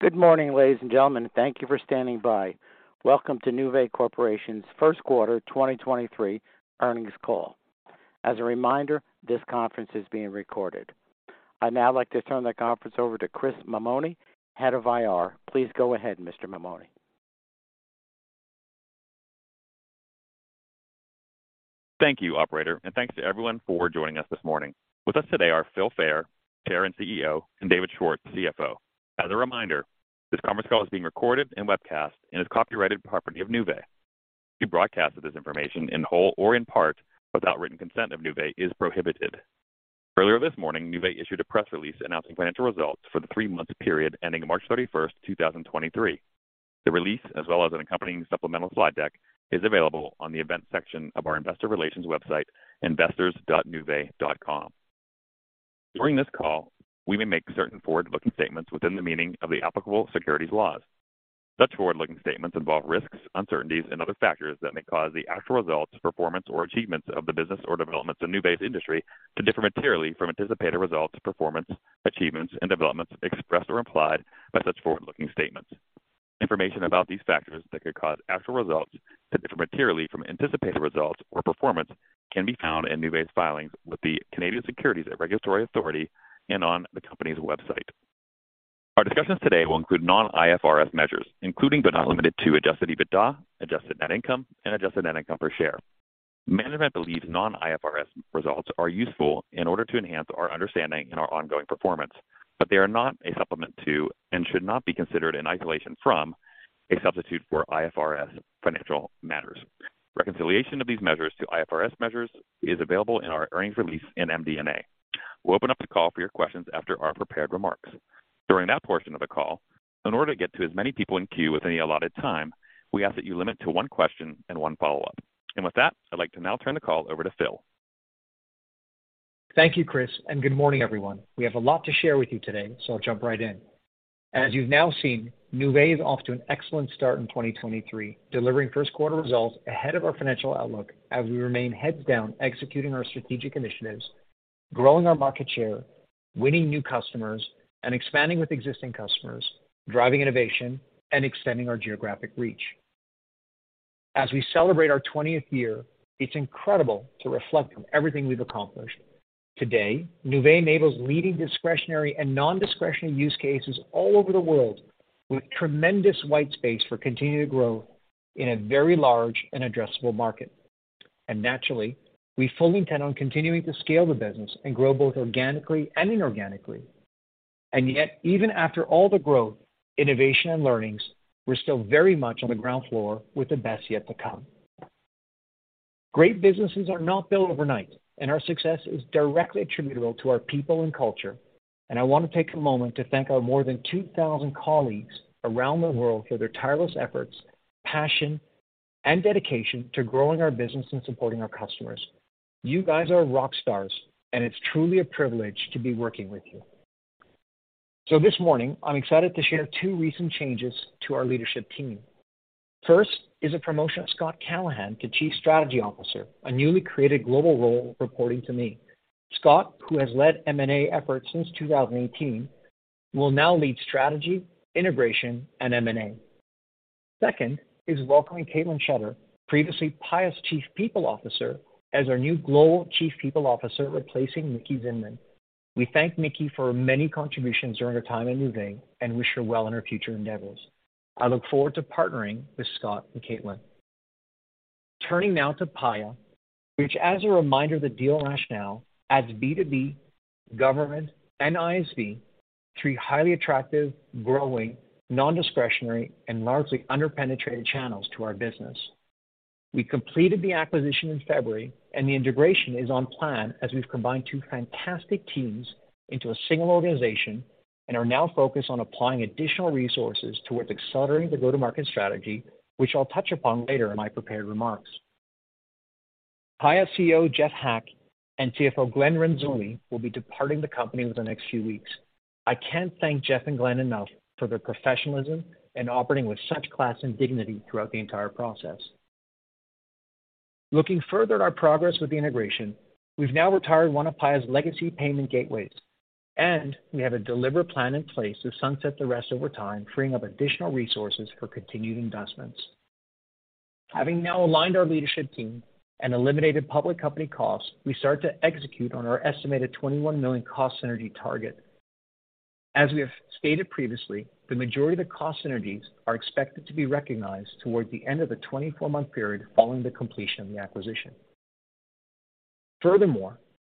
Good morning, ladies and gentlemen. Thank you for standing by. Welcome to Nuvei Corporation's first quarter 2023 earnings call. As a reminder, this conference is being recorded. I'd now like to turn the conference over to Chris Mammone, Head of IR. Please go ahead, Mr. Mammone. Thank you, operator, and thanks to everyone for joining us this morning. With us today are Philip Fayer, Chair and CEO, and David Schwartz, CFO. As a reminder, this conference call is being recorded and webcast and is copyrighted property of Nuvei. Any broadcast of this information in whole or in part without written consent of Nuvei is prohibited. Earlier this morning, Nuvei issued a press release announcing financial results for the 3-month period ending March 31, 2023. The release, as well as an accompanying supplemental slide deck, is available on the events section of our investor relations website, investors.nuvei.com. During this call, we may make certain forward-looking statements within the meaning of the applicable securities laws. Such forward-looking statements involve risks, uncertainties, and other factors that may cause the actual results, performance, or achievements of the business or developments in Nuvei's industry to differ materially from anticipated results, performance, achievements, and developments expressed or implied by such forward-looking statements. Information about these factors that could cause actual results to differ materially from anticipated results or performance can be found in Nuvei's filings with the Canadian Securities Regulatory Authority and on the company's website. Our discussions today will include non-IFRS measures, including but not limited to Adjusted EBITDA, Adjusted net income, and Adjusted net income per share. Management believes non-IFRS results are useful in order to enhance our understanding and our ongoing performance, but they are not a supplement to and should not be considered in isolation from a substitute for IFRS financial matters. Reconciliation of these measures to IFRS measures is available in our earnings release in MD&A. We'll open up the call for your questions after our prepared remarks. During that portion of the call, in order to get to as many people in queue within the allotted time, we ask that you limit to one question and one follow-up. With that, I'd like to now turn the call over to Phil. Thank you, Chris. Good morning, everyone. We have a lot to share with you today, so I'll jump right in. As you've now seen, Nuvei is off to an excellent start in 2023, delivering first quarter results ahead of our financial outlook as we remain heads down executing our strategic initiatives, growing our market share, winning new customers, and expanding with existing customers, driving innovation, and extending our geographic reach. As we celebrate our twentieth year, it's incredible to reflect on everything we've accomplished. Today, Nuvei enables leading discretionary and non-discretionary use cases all over the world with tremendous white space for continued growth in a very large and addressable market. Naturally, we fully intend on continuing to scale the business and grow both organically and inorganically. Yet, even after all the growth, innovation, and learnings, we're still very much on the ground floor with the best yet to come. Great businesses are not built overnight, and our success is directly attributable to our people and culture. I want to take a moment to thank our more than 2,000 colleagues around the world for their tireless efforts, passion, and dedication to growing our business and supporting our customers. You guys are rock stars, and it's truly a privilege to be working with you. This morning, I'm excited to share two recent changes to our leadership team. First is a promotion of Scott Calliham to Chief Strategy Officer, a newly created global role reporting to me. Scott, who has led M&A efforts since 2018, will now lead strategy, integration, and M&A. Second is welcoming Caitlin Shetter, previously Paya's Chief People Officer, as our new Global Chief People Officer, replacing Nikki Zinman. We thank Nikki for her many contributions during her time at Nuvei and wish her well in her future endeavors. I look forward to partnering with Scott and Caitlin. Turning now to Paya, which as a reminder of the deal rationale, adds B2B, government, and ISV, three highly attractive, growing, non-discretionary, and largely under-penetrated channels to our business. We completed the acquisition in February, and the integration is on plan as we've combined two fantastic teams into a single organization and are now focused on applying additional resources towards accelerating the go-to-market strategy, which I'll touch upon later in my prepared remarks. Paya CEO, Jeff Hack, and CFO Glenn Renzulli will be departing the company within the next few weeks. I can't thank Jeff and Glenn enough for their professionalism and operating with such class and dignity throughout the entire process. Looking further at our progress with the integration, we've now retired one of Paya's legacy payment gateways, and we have a deliberate plan in place to sunset the rest over time, freeing up additional resources for continued investments. Having now aligned our leadership team and eliminated public company costs, we start to execute on our estimated $21 million cost synergy target. As we have stated previously, the majority of the cost synergies are expected to be recognized toward the end of the 24-month period following the completion of the acquisition.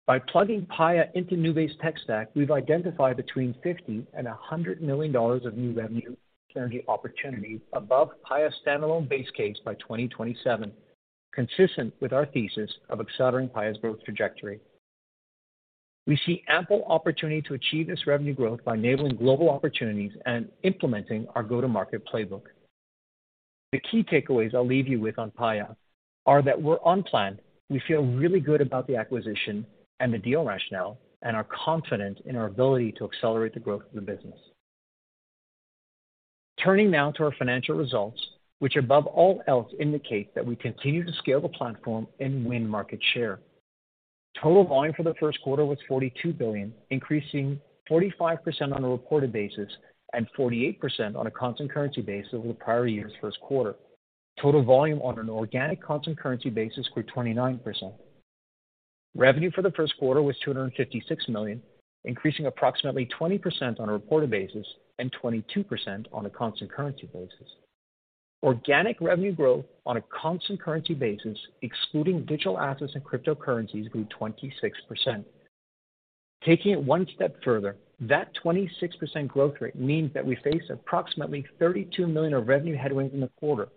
By plugging Paya into Nuvei's tech stack, we've identified between $50 million and $100 million of new revenue synergy opportunity above Paya's standalone base case by 2027, consistent with our thesis of accelerating Paya's growth trajectory. We see ample opportunity to achieve this revenue growth by enabling global opportunities and implementing our go-to-market playbook. The key takeaways I'll leave you with on Paya are that we're on plan. We feel really good about the acquisition and the deal rationale and are confident in our ability to accelerate the growth of the business. Turning now to our financial results, which above all else indicate that we continue to scale the platform and win market share. Total volume for the first quarter was $42 billion, increasing 45% on a reported basis and 48% on a constant currency basis over the prior year's first quarter. Total volume on an organic constant currency basis grew 29%. Revenue for the first quarter was $256 million, increasing approximately 20% on a reported basis and 22% on a constant currency basis. Organic revenue growth on a constant currency basis, excluding digital assets and cryptocurrencies, grew 26%. Taking it one step further, that 26% growth rate means that we face approximately $32 million of revenue headwind in the quarter,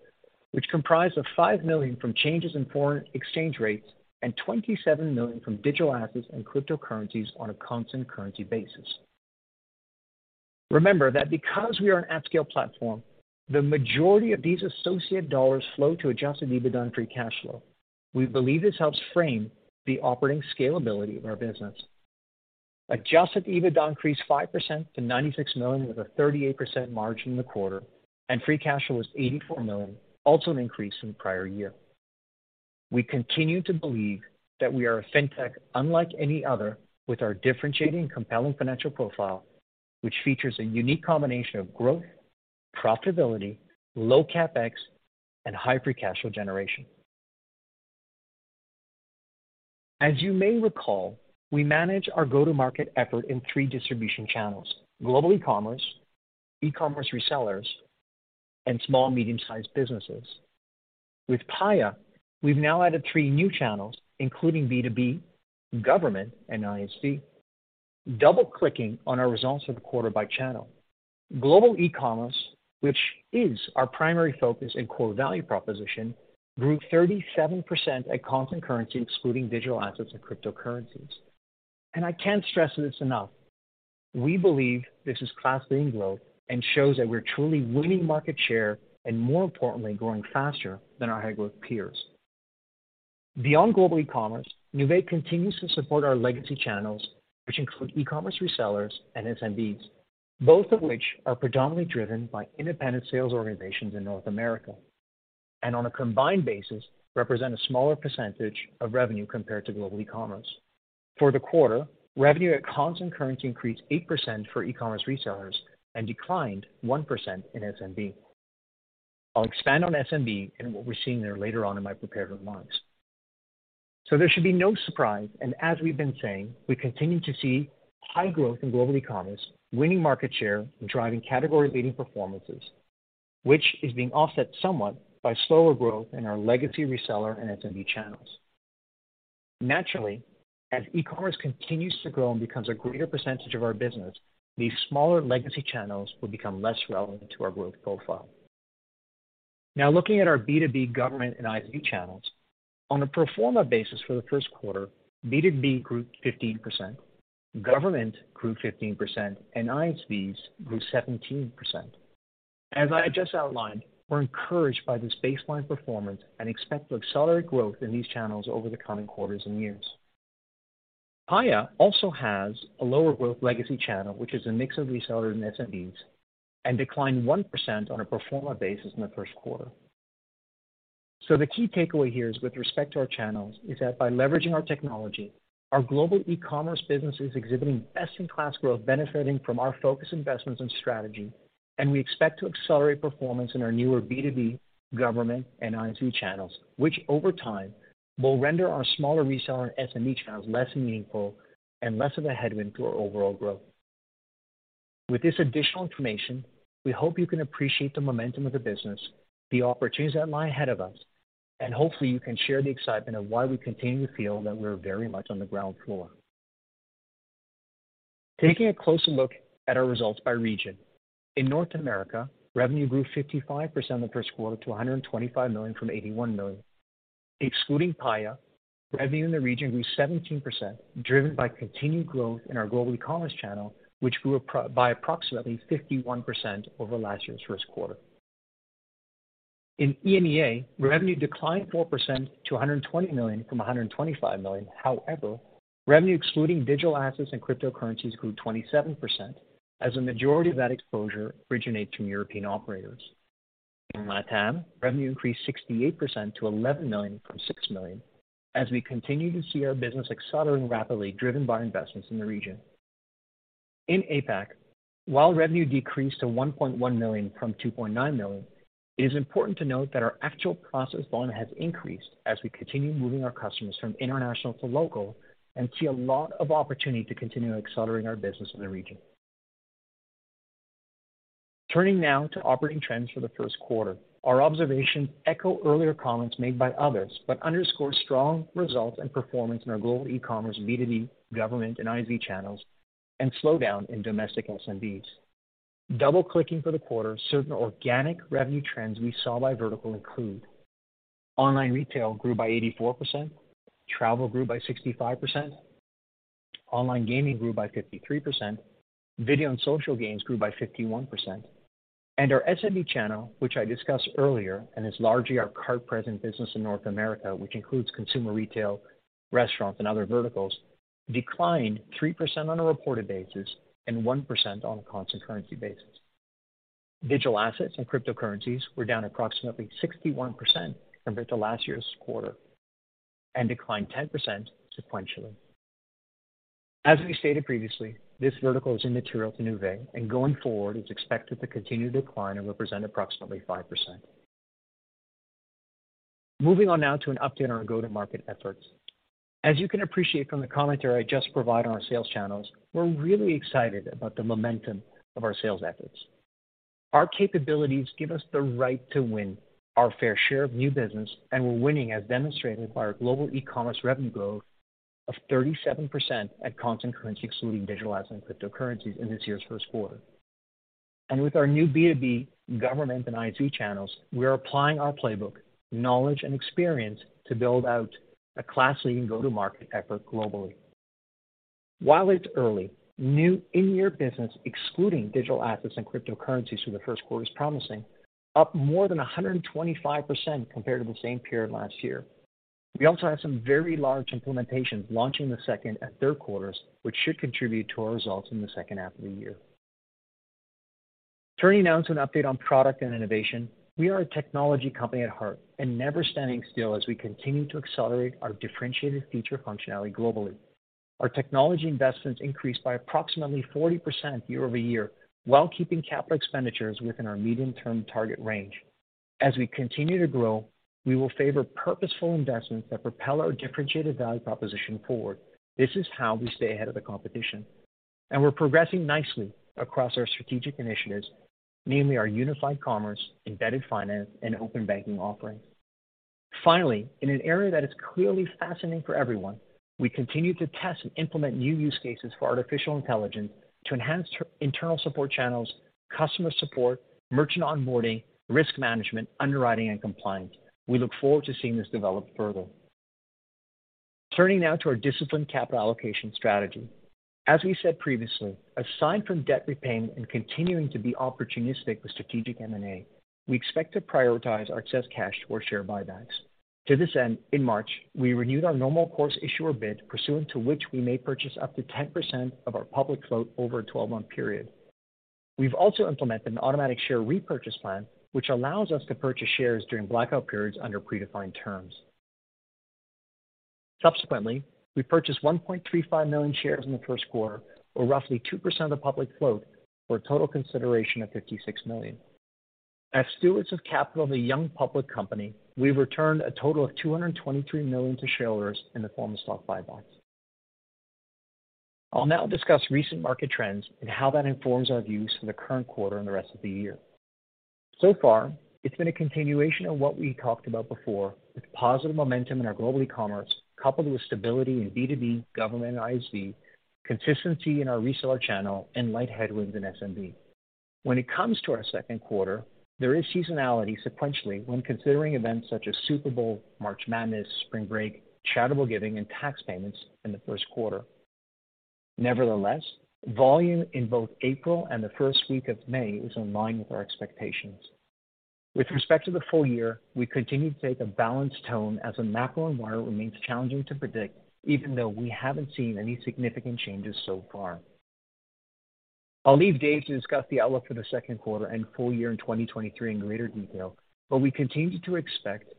which comprised of $5 million from changes in foreign exchange rates and $27 million from digital assets and cryptocurrencies on a constant currency basis. Remember that because we are an at-scale platform, the majority of these associate dollars flow to Adjusted EBITDA and free cash flow. We believe this helps frame the operating scalability of our business. Adjusted EBITDA increased 5% to $96 million, with a 38% margin in the quarter. Free cash flow was $84 million, also an increase from the prior year. We continue to believe that we are a fintech unlike any other with our differentiating compelling financial profile, which features a unique combination of growth, profitability, low CapEx, and high free cash flow generation. As you may recall, we manage our go-to-market effort in three distribution channels: global eCommerce resellers, and small medium-sized businesses. With Paya, we've now added three new channels, including B2B, government, and ISV. Double-clicking on our results for the quarter by channel. Global eCommerce, which is our primary focus and core value proposition, grew 37% at constant currency, excluding digital assets and cryptocurrencies. I can't stress this enough, we believe this is class-leading growth and shows that we're truly winning market share and more importantly, growing faster than our high-growth peers. Beyond global eCommerce, Nuvei continues to support our legacy channels, which include eCommerce resellers and SMBs, both of which are predominantly driven by independent sales organizations in North America. On a combined basis, represent a smaller percentage of revenue compared to global eCommerce. For the quarter, revenue at constant currency increased 8% for eCommerce resellers and declined 1% in SMB. I'll expand on SMB and what we're seeing there later on in my prepared remarks. There should be no surprise, and as we've been saying, we continue to see high growth in global eCommerce, winning market share and driving category-leading performances, which is being offset somewhat by slower growth in our legacy reseller and SMB channels. Naturally, as eCommerce continues to grow and becomes a greater % of our business, these smaller legacy channels will become less relevant to our growth profile. Looking at our B2B government and ISV channels. On a pro forma basis for the first quarter, B2B grew 15%, government grew 15%, and ISVs grew 17%. As I just outlined, we're encouraged by this baseline performance and expect to accelerate growth in these channels over the coming quarters and years. Paya also has a lower growth legacy channel, which is a mix of reseller and SMBs, and declined 1% on a pro forma basis in the first quarter. The key takeaway here is with respect to our channels is that by leveraging our technology, our global eCommerce business is exhibiting best-in-class growth, benefiting from our focus investments and strategy, and we expect to accelerate performance in our newer B2B, government, and ISV channels, which over time will render our smaller reseller and SMB channels less meaningful and less of a headwind to our overall growth. With this additional information, we hope you can appreciate the momentum of the business, the opportunities that lie ahead of us, and hopefully, you can share the excitement of why we continue to feel that we're very much on the ground floor. Taking a closer look at our results by region. In North America, revenue grew 55% in the first quarter to $125 million from $81 million. Excluding Paya, revenue in the region grew 17%, driven by continued growth in our global eCommerce channel, which grew by approximately 51% over last year's first quarter. In EMEA, revenue declined 4% to $120 million from $125 million. However, revenue excluding digital assets and cryptocurrencies grew 27%, as a majority of that exposure originates from European operators. In LATAM, revenue increased 68% to $11 million from $6 million, as we continue to see our business accelerating rapidly, driven by investments in the region. In APAC, while revenue decreased to $1.1 million from $2.9 million, it is important to note that our actual processed volume has increased as we continue moving our customers from international to local and see a lot of opportunity to continue accelerating our business in the region. Turning now to operating trends for the first quarter. Our observations echo earlier comments made by others, but underscore strong results and performance in our global eCommerce, B2B, government, and ISV channels, and slowdown in domestic SMBs. Double-clicking for the quarter, certain organic revenue trends we saw by vertical include online retail grew by 84%, travel grew by 65%, online gaming grew by 53%, video and social games grew by 51%. Our SMB channel, which I discussed earlier and is largely our card-present business in North America, which includes consumer retail, restaurants, and other verticals, declined 3% on a reported basis and 1% on a constant currency basis. Digital assets and cryptocurrencies were down approximately 61% compared to last year's quarter and declined 10% sequentially. As we stated previously, this vertical is immaterial to Nuvei, and going forward is expected to continue to decline and represent approximately 5%. Moving on now to an update on our go-to-market efforts. As you can appreciate from the commentary I just provided on our sales channels, we're really excited about the momentum of our sales efforts. Our capabilities give us the right to win our fair share of new business, and we're winning, as demonstrated by our global e-commerce revenue growth of 37% at constant currency, excluding digital assets and cryptocurrencies in this year's 1st quarter. With our new B2B government and ISV channels, we are applying our playbook, knowledge, and experience to build out a class-leading go-to-market effort globally. While it's early, new in-year business excluding digital assets and cryptocurrencies for the first quarter is promising, up more than 125% compared to the same period last year. We also have some very large implementations launching the second and third quarters, which should contribute to our results in the second half of the year. Turning now to an update on product and innovation. We are a technology company at heart and never standing still as we continue to accelerate our differentiated feature functionality globally. Our technology investments increased by approximately 40% year-over-year while keeping capital expenditures within our medium-term target range. As we continue to grow, we will favor purposeful investments that propel our differentiated value proposition forward. This is how we stay ahead of the competition, and we're progressing nicely across our strategic initiatives, namely our unified commerce, embedded finance, and open banking offerings. In an area that is clearly fascinating for everyone, we continue to test and implement new use cases for artificial intelligence to enhance internal support channels, customer support, merchant onboarding, risk management, underwriting, and compliance. We look forward to seeing this develop further. Turning now to our disciplined capital allocation strategy. As we said previously, aside from debt repayment and continuing to be opportunistic with strategic M&A, we expect to prioritize our excess cash for share buybacks. To this end, in March, we renewed our normal course issuer bid, pursuant to which we may purchase up to 10% of our public float over a 12-month period. We've also implemented an automatic share purchase plan, which allows us to purchase shares during blackout periods under predefined terms. Subsequently, we purchased 1.35 million shares in the first quarter, or roughly 2% of public float, for a total consideration of $56 million. As stewards of capital of a young public company, we've returned a total of $223 million to shareholders in the form of stock buybacks. I'll now discuss recent market trends and how that informs our views for the current quarter and the rest of the year. So far it's been a continuation of what we talked about before with positive momentum in our global e-commerce, coupled with stability in B2B government and ISV, consistency in our reseller channel, and light headwinds in SMB. When it comes to our second quarter, there is seasonality sequentially when considering events such as Super Bowl, March Madness, spring break, charitable giving, and tax payments in the first quarter. Nevertheless, volume in both April and the first week of May is in line with our expectations. With respect to the full year, we continue to take a balanced tone as the macro environment remains challenging to predict, even though we haven't seen any significant changes so far. I'll leave Dave to discuss the outlook for the second quarter and full year in 2023 in greater detail. We continue to expect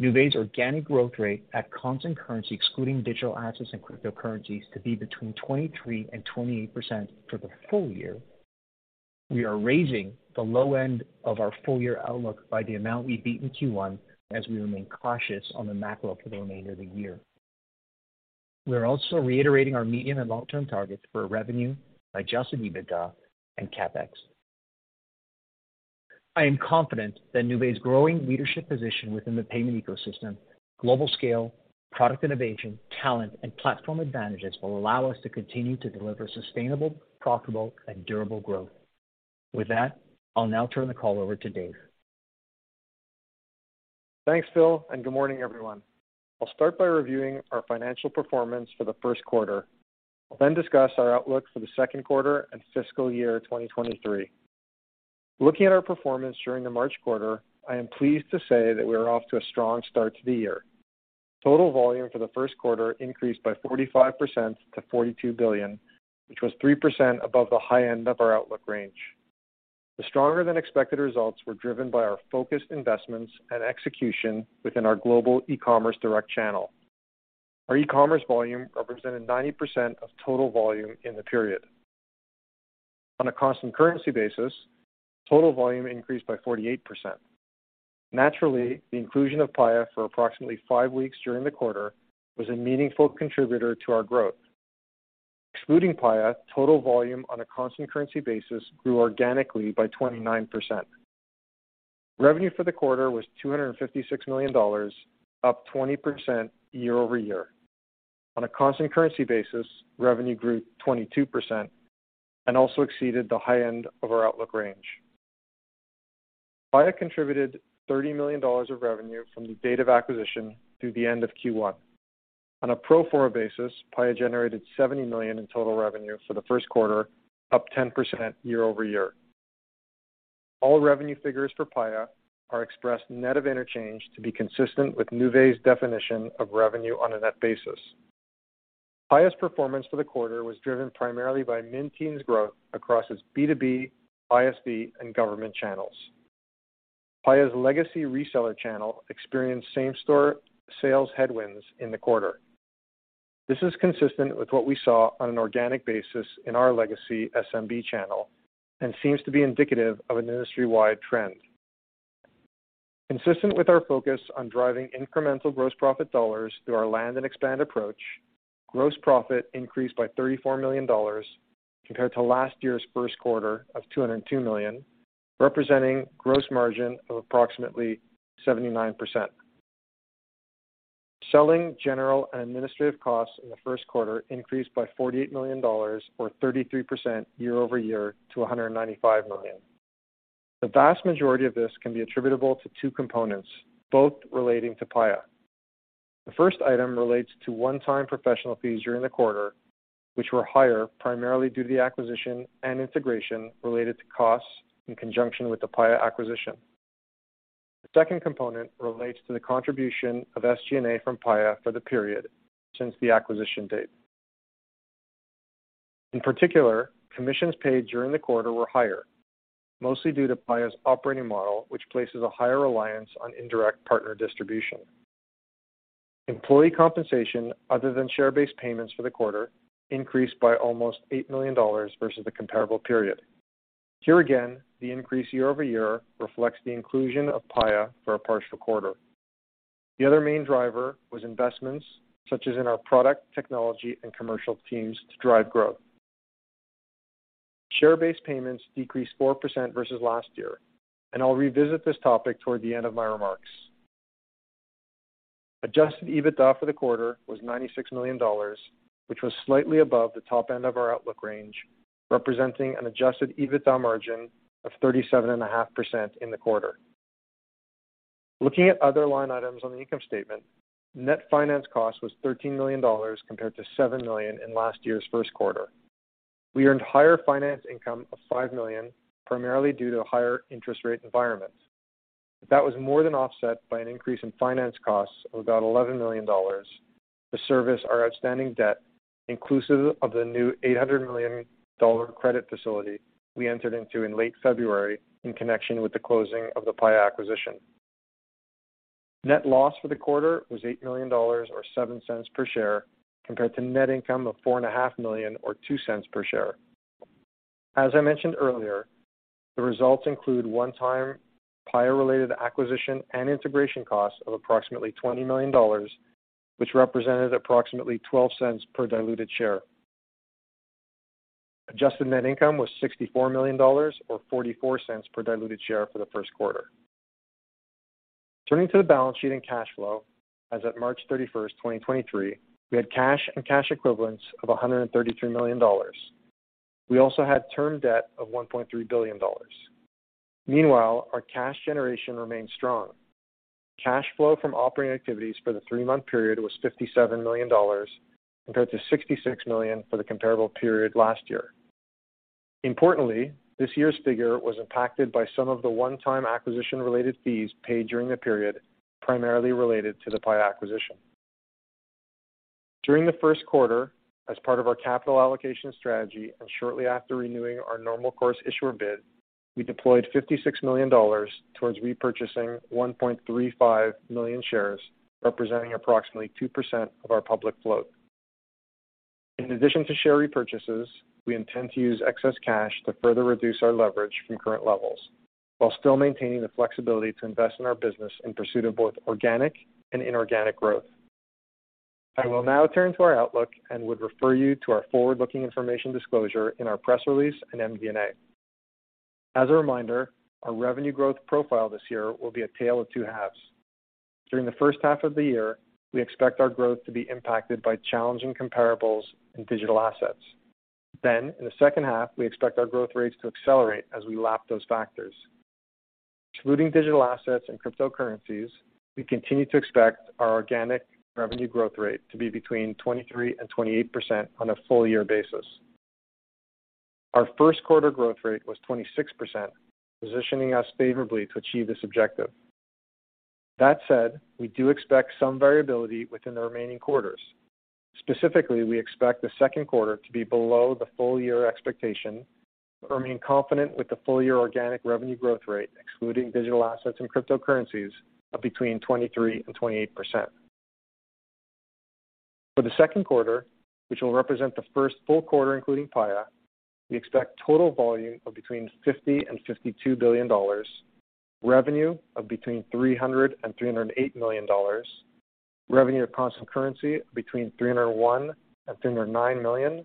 Nuvei's organic growth rate at constant currency, excluding digital assets and cryptocurrencies, to be between 23% and 28% for the full year. We are raising the low end of our full year outlook by the amount we beat in Q1 as we remain cautious on the macro for the remainder of the year. We are also reiterating our medium and long-term targets for revenue, Adjusted EBITDA and CapEx. I am confident that Nuvei's growing leadership position within the payment ecosystem, global scale, product innovation, talent, and platform advantages will allow us to continue to deliver sustainable, profitable, and durable growth. With that, I'll now turn the call over to Dave. Thanks, Phil. Good morning, everyone. I'll start by reviewing our financial performance for the first quarter, then discuss our outlook for the second quarter and fiscal year 2023. Looking at our performance during the March quarter, I am pleased to say that we are off to a strong start to the year. Total volume for the first quarter increased by 45% to $32 billion, which was 3% above the high end of our outlook range. The stronger than expected results were driven by our focused investments and execution within our global e-commerce direct channel. Our e-commerce volume represented 90% of total volume in the period. On a constant currency basis, total volume increased by 48%. Naturally, the inclusion of Paya for approximately 5 weeks during the quarter was a meaningful contributor to our growth. Excluding Paya, total volume on a constant currency basis grew organically by 29%. Revenue for the quarter was $256 million, up 20% year-over-year. On a constant currency basis, revenue grew 22% and also exceeded the high end of our outlook range. Paya contributed $30 million of revenue from the date of acquisition through the end of Q1. On a pro forma basis, Paya generated $70 million in total revenue for the first quarter, up 10% year-over-year. All revenue figures for Paya are expressed net of interchange to be consistent with Nuvei's definition of revenue on a net basis. Paya's performance for the quarter was driven primarily by mid-market's growth across its B2B, ISV, and government channels. Paya's legacy reseller channel experienced same-store sales headwinds in the quarter. This is consistent with what we saw on an organic basis in our legacy SMB channel and seems to be indicative of an industry-wide trend. Consistent with our focus on driving incremental gross profit dollars through our land and expand approach, gross profit increased by $34 million compared to last year's first quarter of $202 million, representing gross margin of approximately 79%. Selling, general, and administrative costs in the first quarter increased by $48 million or 33% year-over-year to $195 million. The vast majority of this can be attributable to two components, both relating to Paya. The first item relates to one-time professional fees during the quarter, which were higher primarily due to the acquisition and integration related to costs in conjunction with the Paya acquisition. The second component relates to the contribution of SG&A from Paya for the period since the acquisition date. In particular, commissions paid during the quarter were higher, mostly due to Paya's operating model, which places a higher reliance on indirect partner distribution. Employee compensation other than share-based payments for the quarter increased by almost $8 million versus the comparable period. Here again, the increase year-over-year reflects the inclusion of Paya for a partial quarter. The other main driver was investments such as in our product, technology, and commercial teams to drive growth. Share-based payments decreased 4% versus last year, I'll revisit this topic toward the end of my remarks. Adjusted EBITDA for the quarter was $96 million, which was slightly above the top end of our outlook range, representing an Adjusted EBITDA margin of 37.5% in the quarter. Looking at other line items on the income statement, net finance cost was $13 million compared to $7 million in last year's first quarter. We earned higher finance income of $5 million, primarily due to higher interest rate environments. That was more than offset by an increase in finance costs of about $11 million to service our outstanding debt, inclusive of the new $800 million credit facility we entered into in late February in connection with the closing of the Paya acquisition. Net loss for the quarter was $8 million or $0.07 per share compared to net income of $4.5 million or $0.02 per share. As I mentioned earlier, the results include one-time Paya-related acquisition and integration costs of approximately $20 million, which represented approximately $0.12 per diluted share. Adjusted net income was $64 million or $0.44 per diluted share for the first quarter. Turning to the balance sheet and cash flow as of March 31, 2023, we had cash and cash equivalents of $133 million. We also had term debt of $1.3 billion. Our cash generation remains strong. Cash flow from operating activities for the three-month period was $57 million compared to $66 million for the comparable period last year. This year's figure was impacted by some of the one-time acquisition-related fees paid during the period, primarily related to the Paya acquisition. During the first quarter, as part of our capital allocation strategy and shortly after renewing our normal course issuer bid, we deployed $56 million towards repurchasing 1.35 million shares, representing approximately 2% of our public float. In addition to share repurchases, we intend to use excess cash to further reduce our leverage from current levels while still maintaining the flexibility to invest in our business in pursuit of both organic and inorganic growth. I will now turn to our outlook and would refer you to our forward-looking information disclosure in our press release in MD&A. As a reminder, our revenue growth profile this year will be a tale of two halves. During the first half of the year, we expect our growth to be impacted by challenging comparables in digital assets. In the second half, we expect our growth rates to accelerate as we lap those factors. Excluding digital assets and cryptocurrencies, we continue to expect our organic revenue growth rate to be between 23% and 28% on a full year basis. Our first quarter growth rate was 26%, positioning us favorably to achieve this objective. That said, we do expect some variability within the remaining quarters. Specifically, we expect the second quarter to be below the full year expectation, but remain confident with the full year organic revenue growth rate, excluding digital assets and cryptocurrencies, of between 23% and 28%. For the second quarter, which will represent the first full quarter including Paya, we expect total volume of between $50 billion and $52 billion, revenue of between $300 million and $308 million, revenue at constant currency between $301 million and $309 million,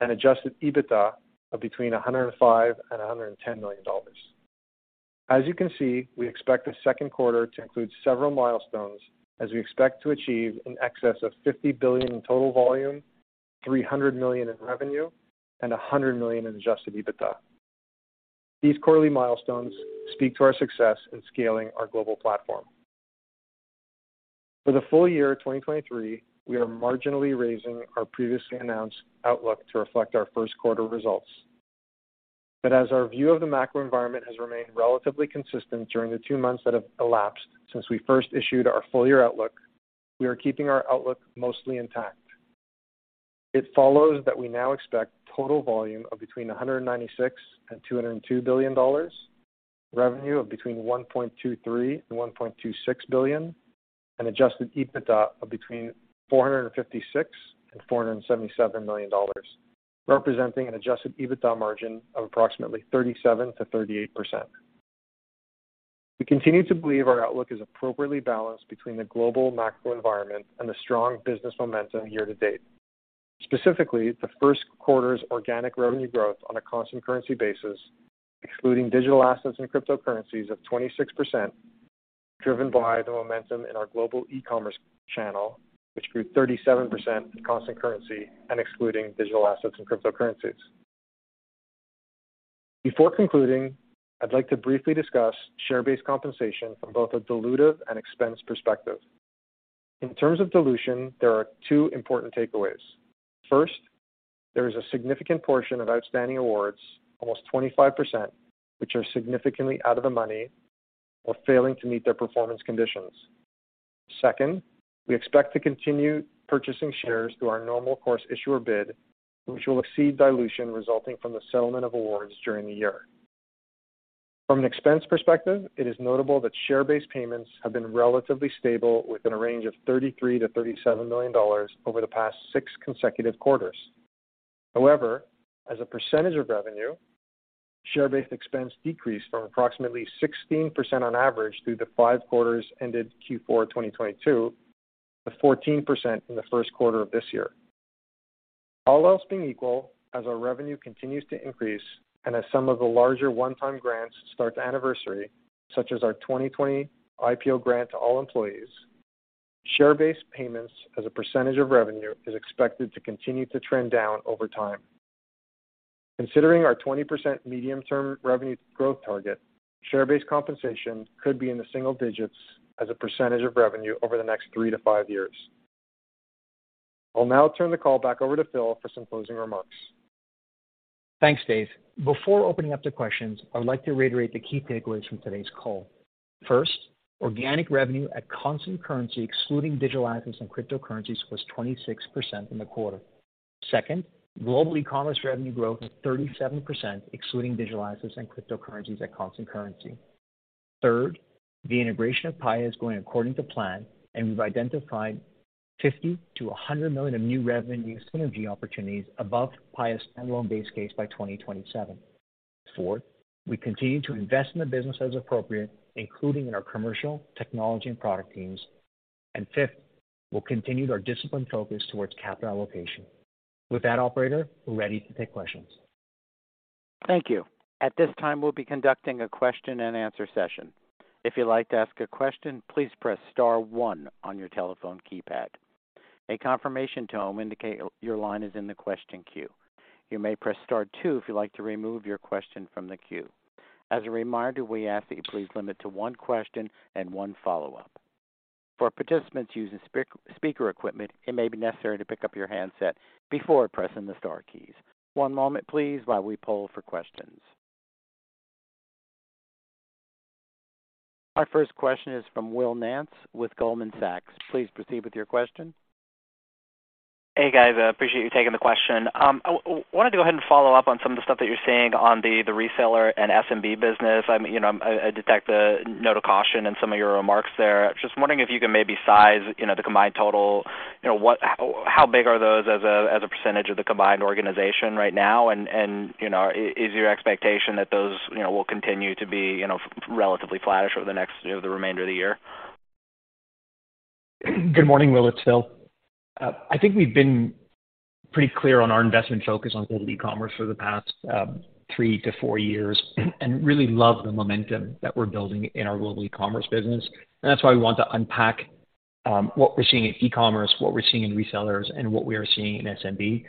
and Adjusted EBITDA of between $105 million and $110 million. As you can see, we expect the second quarter to include several milestones as we expect to achieve in excess of $50 billion in total volume, $300 million in revenue, and $100 million in Adjusted EBITDA. These quarterly milestones speak to our success in scaling our global platform. For the full year 2023, we are marginally raising our previously announced outlook to reflect our first quarter results. As our view of the macro environment has remained relatively consistent during the 2 months that have elapsed since we first issued our full year outlook, we are keeping our outlook mostly intact. It follows that we now expect total volume of between $196 billion and $202 billion, revenue of between $1.23 billion and $1.26 billion, and Adjusted EBITDA of between $456 million and $477 million, representing an Adjusted EBITDA margin of approximately 37%-38%. We continue to believe our outlook is appropriately balanced between the global macro environment and the strong business momentum year-to-date. Specifically, the first quarter's organic revenue growth on a constant currency basis, excluding digital assets and cryptocurrencies of 26%, driven by the momentum in our global e-commerce channel, which grew 37% in constant currency and excluding digital assets and cryptocurrencies. Before concluding, I'd like to briefly discuss share-based compensation from both a dilutive and expense perspective. In terms of dilution, there are two important takeaways. First, there is a significant portion of outstanding awards, almost 25%, which are significantly out of the money or failing to meet their performance conditions. Second, we expect to continue purchasing shares through our normal course issuer bid, which will exceed dilution resulting from the settlement of awards during the year. From an expense perspective, it is notable that share-based payments have been relatively stable within a range of $33 million-$37 million over the past 6 consecutive quarters. However, as a percentage of revenue, share-based expense decreased from approximately 16% on average through the 5 quarters ended Q4 2022 to 14% in the 1st quarter of this year. All else being equal, as our revenue continues to increase and as some of the larger one-time grants start to anniversary, such as our 2020 IPO grant to all employees, share-based payments as a percentage of revenue is expected to continue to trend down over time. Considering our 20% medium-term revenue growth target, share-based compensation could be in the single digits as a percentage of revenue over the next three to five years. I'll now turn the call back over to Phil for some closing remarks. Thanks, Dave. Before opening up the questions, I would like to reiterate the key takeaways from today's call. First, organic revenue at constant currency, excluding digital assets and cryptocurrencies, was 26% in the quarter. Second, global e-commerce revenue growth was 37%, excluding digital assets and cryptocurrencies at constant currency. Third, the integration of Paya is going according to plan, and we've identified $50 million-$100 million of new revenue synergy opportunities above Paya's standalone base case by 2027. Fourth, we continue to invest in the business as appropriate, including in our commercial, technology, and product teams. Fifth, we'll continue our disciplined focus towards capital allocation. With that, operator, we're ready to take questions. Thank you. At this time, we'll be conducting a question and answer session. If you'd like to ask a question, please press star one on your telephone keypad. A confirmation tone will indicate your line is in the question queue. You may press star two if you'd like to remove your question from the queue. As a reminder, we ask that you please limit to one question and one follow-up. For participants using speaker equipment, it may be necessary to pick up your handset before pressing the star keys. One moment, please, while we poll for questions. Our first question is from Will Nance with Goldman Sachs. Please proceed with your question. Hey, guys. I appreciate you taking the question. I wanted to go ahead and follow up on some of the stuff that you're seeing on the reseller and SMB business. I mean, you know, I detect the note of caution in some of your remarks there. Just wondering if you can maybe size, you know, the combined total. You know, how big are those as a, as a percentage of the combined organization right now? You know, is your expectation that those, you know, will continue to be, you know, relatively flattish over the next, you know, the remainder of the year? Good morning, Will. It's Phil. I think we've been pretty clear on our investment focus on global e-commerce for the past 3 to 4 years and really love the momentum that we're building in our global e-commerce business. That's why we want to unpack what we're seeing in e-commerce, what we're seeing in resellers, and what we are seeing in SMB.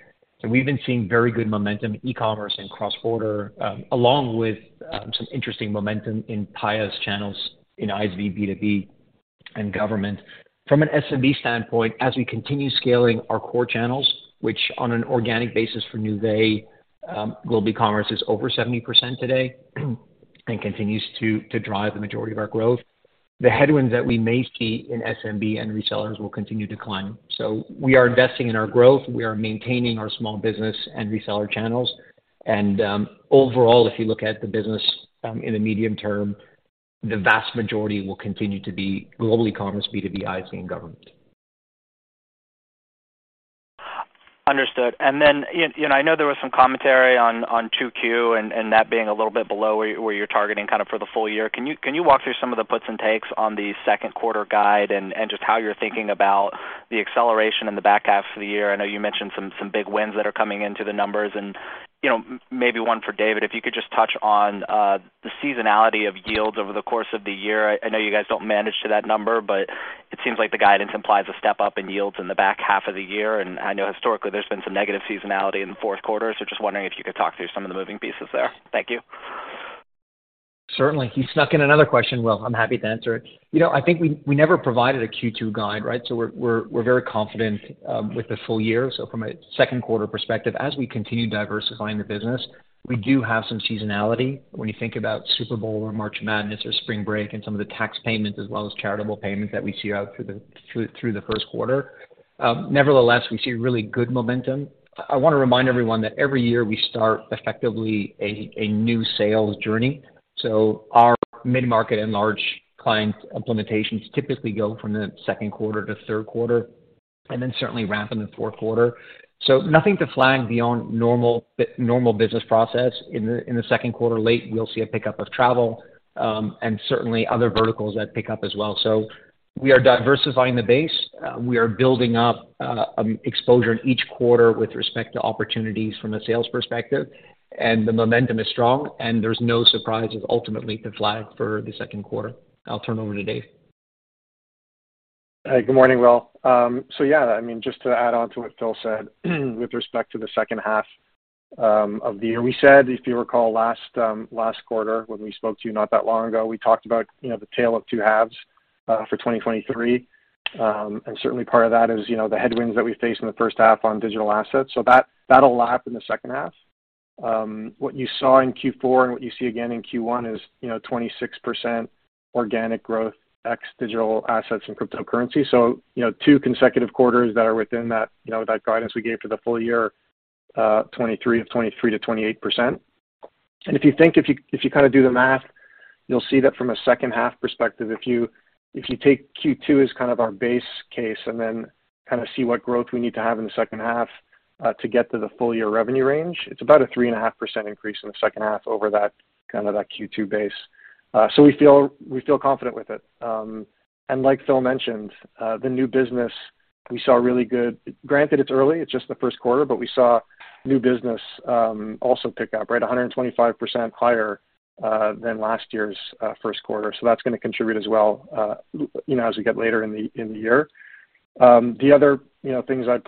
We've been seeing very good momentum in e-commerce and cross-border along with some interesting momentum in Paya's channels in ISV, B2B, and government. From an SMB standpoint, as we continue scaling our core channels, which on an organic basis for Nuvei, global e-commerce is over 70% today and continues to drive the majority of our growth, the headwinds that we may see in SMB and resellers will continue to climb. We are investing in our growth. We are maintaining our small business and reseller channels. Overall, if you look at the business, in the medium term, the vast majority will continue to be global e-commerce, B2B, ISV, and government. Understood. You know, I know there was some commentary on 2Q, and that being a little bit below where you're targeting kind of for the full year. Can you walk through some of the puts and takes on the second quarter guide and just how you're thinking about the acceleration in the back half of the year? I know you mentioned some big wins that are coming into the numbers. You know, maybe one for David, if you could just touch on the seasonality of yields over the course of the year. I know you guys don't manage to that number, it seems like the guidance implies a step up in yields in the back half of the year. I know historically there's been some negative seasonality in the fourth quarter. Just wondering if you could talk through some of the moving pieces there. Thank you. Certainly. You snuck in another question, Will. I'm happy to answer it. You know, I think we never provided a Q2 guide, right? We're very confident with the full year. From a second quarter perspective, as we continue diversifying the business, we do have some seasonality when you think about Super Bowl or March Madness or spring break and some of the tax payments as well as charitable payments that we see out through the first quarter. Nevertheless, we see really good momentum. I wanna remind everyone that every year we start effectively a new sales journey. Our mid-market and large client implementations typically go from the second quarter to third quarter, and then certainly ramp in the fourth quarter. Nothing to flag beyond normal business process. In the second quarter late, we'll see a pickup of travel, and certainly other verticals that pick up as well. We are diversifying the base. We are building up exposure in each quarter with respect to opportunities from a sales perspective, the momentum is strong, there's no surprises ultimately to flag for the second quarter. I'll turn over to Dave. Hey, good morning, Will. Yeah, I mean, just to add on to what Phil said with respect to the second half, of the year. We said, if you recall last last quarter when we spoke to you not that long ago, we talked about, you know, the tale of two halves, for 2023. Certainly part of that is, you know, the headwinds that we face in the first half on digital assets. That, that'll lap in the second half. What you saw in Q4 and what you see again in Q1 is, you know, 26% organic growth ex digital assets and cryptocurrency. You know, two consecutive quarters that are within that, you know, that guidance we gave for the full year, 23%-28%. If you think, if you kinda do the math, you'll see that from a second half perspective, if you take Q2 as kind of our base case and then kinda see what growth we need to have in the second half, to get to the full year revenue range, it's about a 3.5% increase in the second half over that kinda that Q2 base. We feel confident with it. Like Phil mentioned, the new business we saw really good... Granted it's early, it's just the first quarter, but we saw new business, also pick up, right, 125% higher, than last year's, first quarter. That's gonna contribute as well, you know, as we get later in the, in the year. The other, you know, things I'd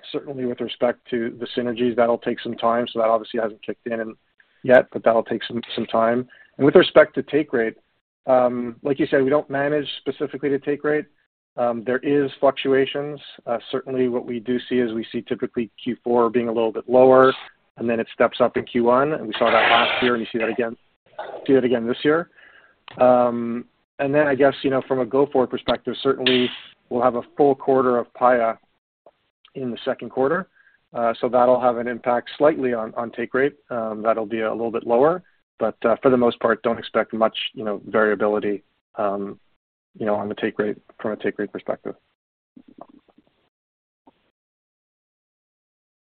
point to, certainly with respect to the synergies, that'll take some time, so that obviously hasn't kicked in yet, but that'll take some time. With respect to take rate, like you said, we don't manage specifically to take rate. There is fluctuations. Certainly what we do see is we see typically Q4 being a little bit lower, and then it steps up in Q1, and we saw that last year, and you see it again this year. Then I guess, you know, from a go-forward perspective, certainly we'll have a full quarter of Paya in the second quarter. That'll have an impact slightly on take rate. That'll be a little bit lower. For the most part, don't expect much, you know, variability, you know, on the take rate from a take rate perspective.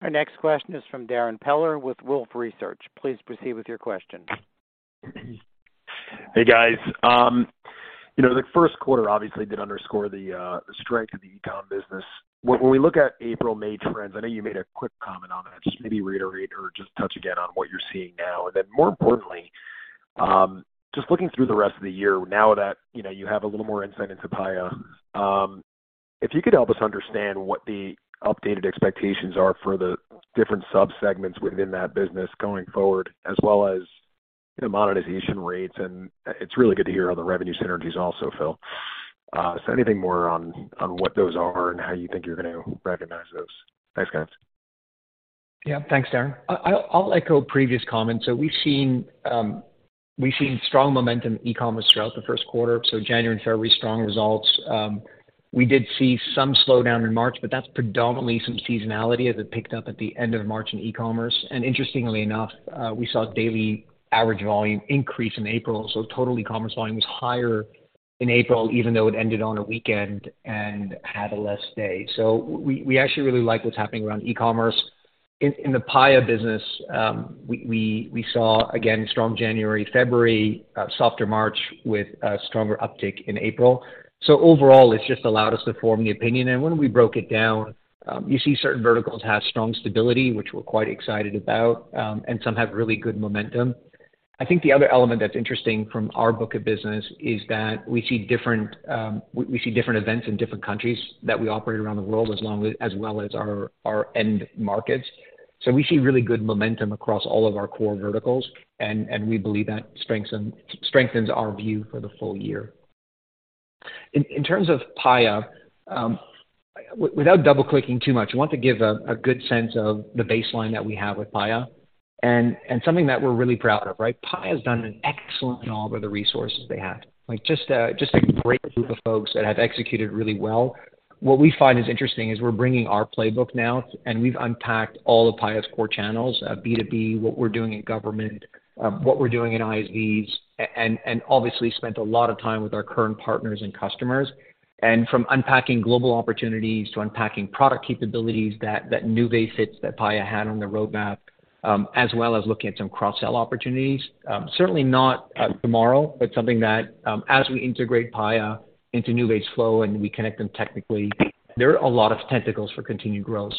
Our next question is from Darrin Peller with Wolfe Research. Please proceed with your question. Hey, guys. You know, the first quarter obviously did underscore the strength of the e-com business. When we look at April, May trends, I know you made a quick comment on that. Just maybe reiterate or just touch again on what you're seeing now. More importantly, just looking through the rest of the year now that, you know, you have a little more insight into Paya, if you could help us understand what the updated expectations are for the different sub-segments within that business going forward as well as, you know, monetization rates, it's really good to hear on the revenue synergies also, Phil. Anything more on what those are and how you think you're gonna recognize those. Thanks, guys. Yeah. Thanks, Darrin. I'll echo previous comments. We've seen strong momentum in e-commerce throughout the first quarter, so January and February, strong results. We did see some slowdown in March, but that's predominantly some seasonality as it picked up at the end of March in e-commerce. Interestingly enough, we saw daily average volume increase in April, so total e-commerce volume was higher in April, even though it ended on a weekend and had a less day. We actually really like what's happening around e-commerce. In the Paya business, we saw again strong January, February, softer March with a stronger uptick in April. Overall it's just allowed us to form the opinion. When we broke it down, you see certain verticals have strong stability, which we're quite excited about, and some have really good momentum. I think the other element that's interesting from our book of business is that we see different, we see different events in different countries that we operate around the world as long as well as our end markets. We see really good momentum across all of our core verticals and we believe that strengths strengthens our view for the full year. In terms of Paya, without double-clicking too much, we want to give a good sense of the baseline that we have with Paya and something that we're really proud of, right? Paya's done an excellent job with the resources they have. Like just a great group of folks that have executed really well. What we find is interesting is we're bringing our playbook now and we've unpacked all of Paya's core channels, B2B, what we're doing in government, what we're doing in ISVs, and obviously spent a lot of time with our current partners and customers. From unpacking global opportunities to unpacking product capabilities that Nuvei fits that Paya had on the roadmap, as well as looking at some cross-sell opportunities. Certainly not tomorrow, but something that, as we integrate Paya into Nuvei's flow and we connect them technically, there are a lot of tentacles for continued growth.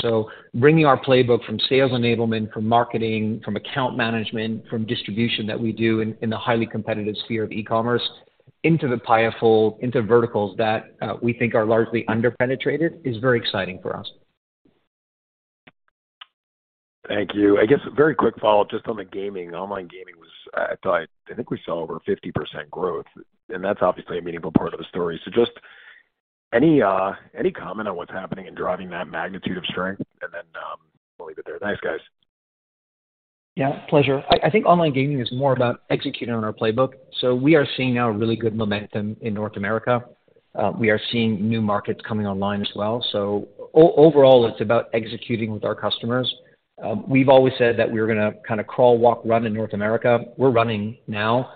Bringing our playbook from sales enablement, from marketing, from account management, from distribution that we do in the highly competitive sphere of e-commerce into the Paya fold, into verticals that we think are largely under-penetrated is very exciting for us. Thank you. I guess very quick follow-up just on the gaming, online gaming was, I thought, I think we saw over 50% growth, and that's obviously a meaningful part of the story. Just any comment on what's happening in driving that magnitude of strength, and then, we'll leave it there. Thanks, guys. Yeah, pleasure. I think online gaming is more about executing on our playbook. We are seeing now a really good momentum in North America. We are seeing new markets coming online as well. Overall, it's about executing with our customers. We've always said that we're gonna kinda crawl, walk, run in North America. We're running now.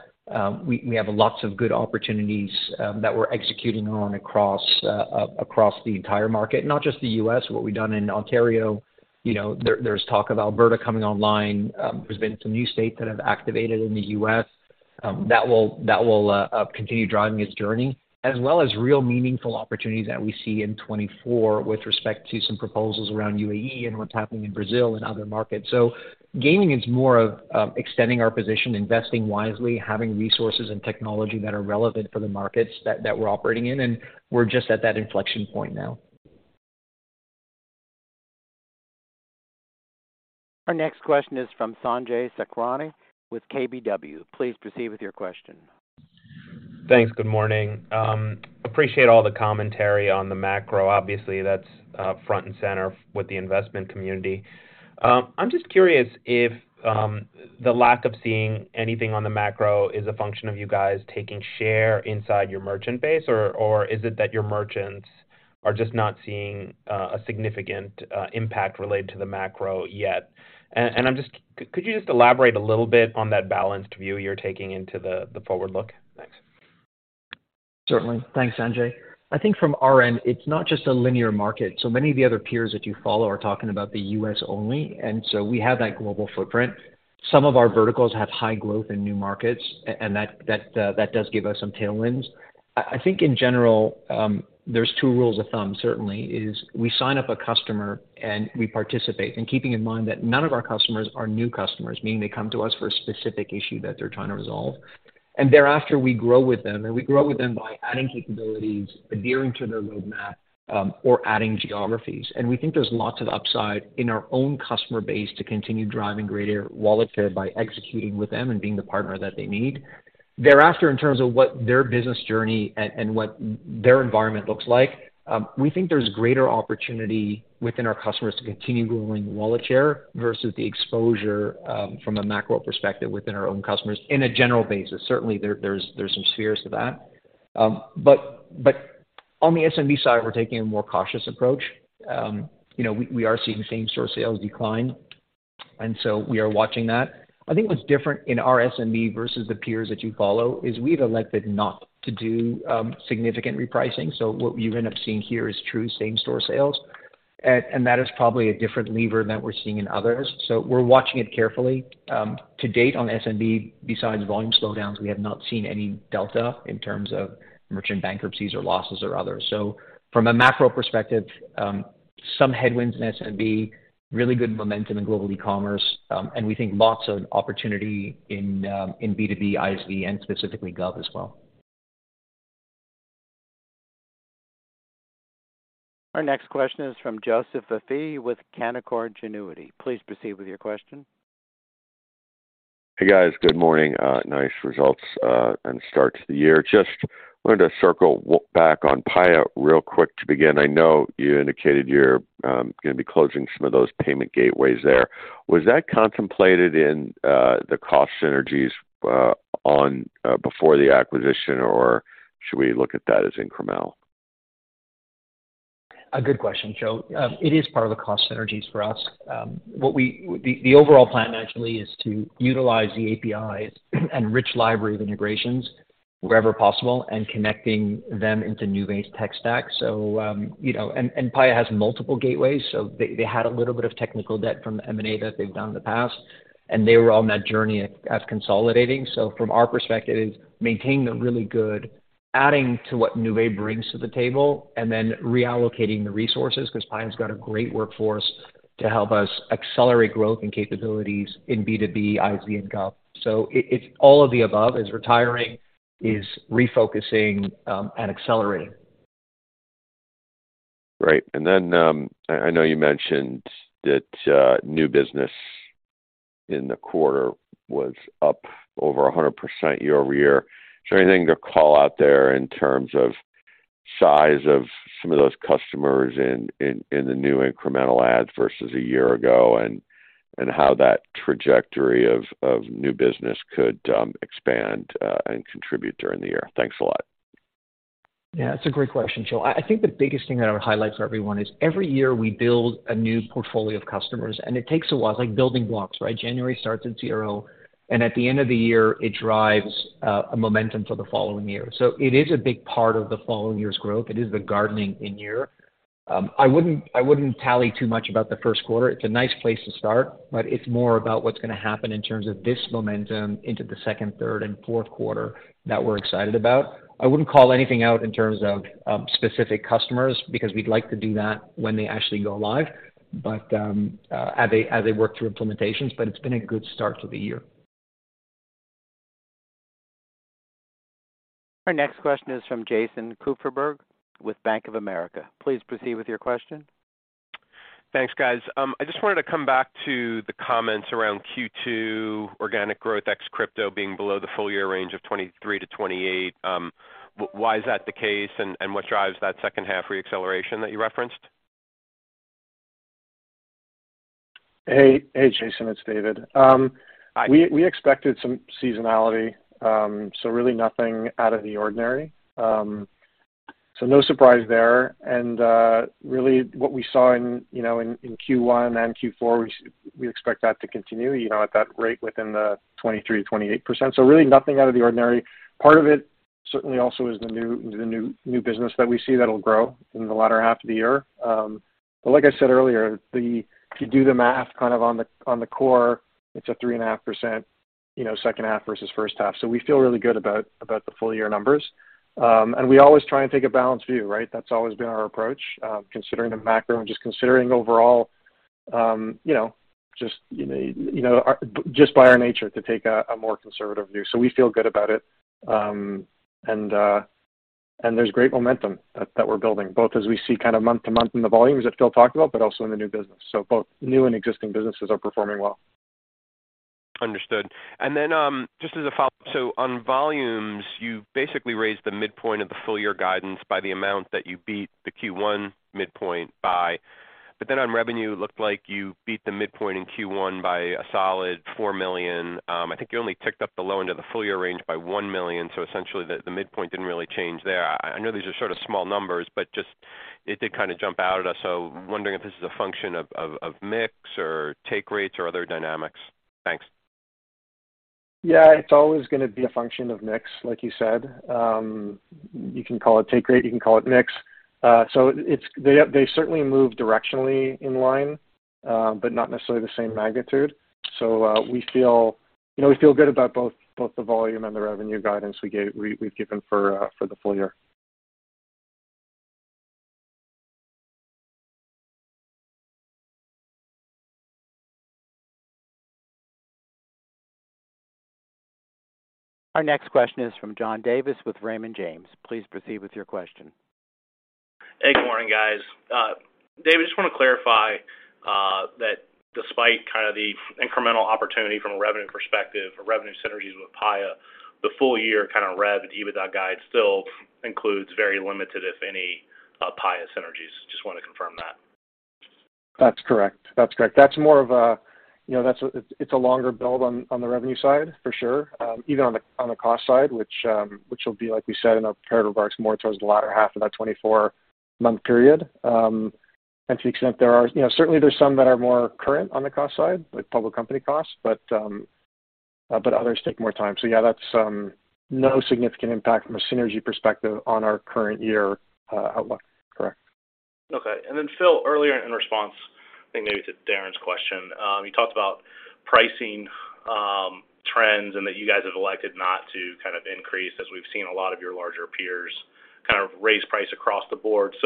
We have lots of good opportunities that we're executing on across the entire market, not just the US. What we've done in Ontario, you know, there's talk of Alberta coming online. There's been some new states that have activated in the US that will continue driving its journey, as well as real meaningful opportunities that we see in 2024 with respect to some proposals around UAE and what's happening in Brazil and other markets. Gaming is more of, extending our position, investing wisely, having resources and technology that are relevant for the markets that we're operating in, and we're just at that inflection point now. Our next question is from Sanjay Sakhrani with KBW. Please proceed with your question. Thanks. Good morning. Appreciate all the commentary on the macro. Obviously, that's front and center with the investment community. I'm just curious if the lack of seeing anything on the macro is a function of you guys taking share inside your merchant base, or is it that your merchants are just not seeing a significant impact related to the macro yet? Could you just elaborate a little bit on that balanced view you're taking into the forward look? Thanks. Certainly. Thanks, Sanjay. I think from our end, it's not just a linear market. Many of the other peers that you follow are talking about the U.S. only, we have that global footprint. Some of our verticals have high growth in new markets and that does give us some tailwinds. I think in general, there's 2 rules of thumb, certainly, is we sign up a customer, and we participate. Keeping in mind that none of our customers are new customers, meaning they come to us for a specific issue that they're trying to resolve. Thereafter, we grow with them, and we grow with them by adding capabilities, adhering to their roadmap, or adding geographies. We think there's lots of upside in our own customer base to continue driving greater wallet share by executing with them and being the partner that they need. Thereafter, in terms of what their business journey and what their environment looks like, we think there's greater opportunity within our customers to continue growing wallet share versus the exposure from a macro perspective within our own customers in a general basis. Certainly, there's some spheres to that. On the SMB side, we're taking a more cautious approach. You know, we are seeing same-store sales decline, we are watching that. I think what's different in our SMB versus the peers that you follow is we've elected not to do significant repricing. What you end up seeing here is true same-store sales. That is probably a different lever than we're seeing in others. We're watching it carefully. To date on SMB, besides volume slowdowns, we have not seen any delta in terms of merchant bankruptcies or losses or others. From a macro perspective, some headwinds in SMB, really good momentum in global e-commerce, and we think lots of opportunity in B2B, ISV, and specifically gov as well. Our next question is from Joseph Vafi with Canaccord Genuity. Please proceed with your question. Hey, guys. Good morning. Nice results and start to the year. Just wanted to circle back on Paya real quick to begin. I know you indicated you're gonna be closing some of those payment gateways there. Was that contemplated in the cost synergies on before the acquisition, or should we look at that as incremental? A good question, Joe. It is part of the cost synergies for us. The overall plan naturally is to utilize the APIs and rich library of integrations wherever possible and connecting them into Nuvei's tech stacks. You know, and Paya has multiple gateways, so they had a little bit of technical debt from the M&A that they've done in the past, and they were on that journey as consolidating. From our perspective, it's maintaining the really good, adding to what Nuvei brings to the table, and then reallocating the resources 'cause Paya's got a great workforce to help us accelerate growth and capabilities in B2B, ISV, and gov. It's all of the above. It's retiring, it's refocusing, and accelerating. Great. I know you mentioned that new business in the quarter was up over 100% year-over-year. Is there anything to call out there in terms of size of some of those customers in the new incremental adds versus a year ago, and how that trajectory of new business could expand and contribute during the year? Thanks a lot. It's a great question, Joe. I think the biggest thing that I would highlight for everyone is every year we build a new portfolio of customers, and it takes a while. It's like building blocks, right? January starts at zero, and at the end of the year, it drives a momentum for the following year. It is a big part of the following year's growth. It is the gardening in year. I wouldn't tally too much about the first quarter. It's a nice place to start, but it's more about what's gonna happen in terms of this momentum into the second, third, and fourth quarter that we're excited about. I wouldn't call anything out in terms of specific customers because we'd like to do that when they actually go live, but, as they work through implementations, but it's been a good start to the year. Our next question is from Jason Kupferberg with Bank of America. Please proceed with your question. Thanks, guys. I just wanted to come back to the comments around Q2 organic growth ex crypto being below the full-year range of 23%-28%. why is that the case, and what drives that second half re-acceleration that you referenced? Hey, Jason, it's David. We expected some seasonality, really nothing out of the ordinary. No surprise there. Really what we saw in, you know, in Q1 and then Q4, we expect that to continue, you know, at that rate within the 23%-28%. Really nothing out of the ordinary. Part of it certainly also is the new business that we see that'll grow in the latter half of the year. Like I said earlier, if you do the math kind of on the, on the core, it's a three and a half percent, you know, second half versus first half. We feel really good about the full year numbers. We always try and take a balanced view, right? That's always been our approach, considering the macro and just considering overall, you know, just by our nature to take a more conservative view. We feel good about it. There's great momentum that we're building, both as we see kind of month to month in the volumes that Philip Fayer talked about, but also in the new business. Both new and existing businesses are performing well. Understood. Just as a follow-up, on volumes, you basically raised the midpoint of the full year guidance by the amount that you beat the Q1 midpoint by. On revenue, it looked like you beat the midpoint in Q1 by a solid $4 million. I think you only ticked up the low end of the full year range by $1 million, essentially the midpoint didn't really change there. I know these are sort of small numbers, but just it did kinda jump out at us. Wondering if this is a function of mix or take rates or other dynamics. Thanks. Yeah, it's always gonna be a function of mix, like you said. You can call it take rate, you can call it mix. They certainly move directionally in line, but not necessarily the same magnitude. We feel, you know, we feel good about both the volume and the revenue guidance we've given for the full year. Our next question is from John Davis with Raymond James. Please proceed with your question. Good morning, guys. David, just wanna clarify that despite kind of the incremental opportunity from a revenue perspective or revenue synergies with Paya, the full year kinda rev and EBITDA guide still includes very limited, if any, Paya synergies. Just wanna confirm that? That's correct. That's correct. That's more of a, you know, that's a longer build on the revenue side for sure, even on the cost side, which will be, like we said, in our prepared remarks, more towards the latter half of that 24-month period. And to the extent there are, you know, certainly there's some that are more current on the cost side, like public company costs, but others take more time. Yeah, that's no significant impact from a synergy perspective on our current year outlook. Correct. Okay. Phil, earlier in response, I think maybe to Darren's question, you talked about pricing trends and that you guys have elected not to kind of increase as we've seen a lot of your larger peers kind of raise price across the board.